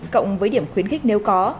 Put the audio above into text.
cộng với điểm khuyến khích nếu có